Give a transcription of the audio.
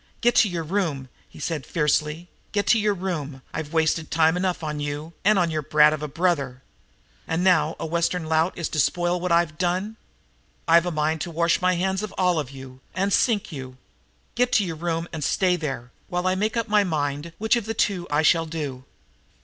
"Get to your room," he said fiercely, "get to your room. I've wasted time enough on you and your brat of a brother, and now a Western lout is to spoil what I've done? I've a mind to wash my hands of all of you and sink you. Get to your room, and stay there, while I make up my mind which of the two I shall do."